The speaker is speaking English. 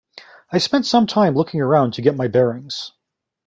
I spent some time looking around to get my bearings.